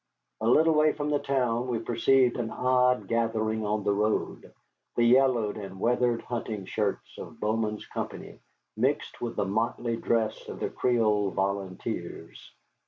A little way from the town we perceived an odd gathering on the road, the yellowed and weathered hunting shirts of Bowman's company mixed with the motley dress of the Creole volunteers.